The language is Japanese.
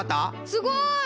すごい！